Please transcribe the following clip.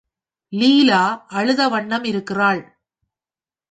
லீலா அழுத வண்ணமிருக்கிறாள்.